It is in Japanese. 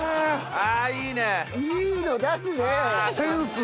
ああいいね！